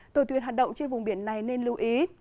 tờ tuyên hạt động trên vùng biển này nên lưu ý